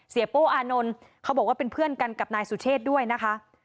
โป้อานนท์เขาบอกว่าเป็นเพื่อนกันกับนายสุเชษด้วยนะคะ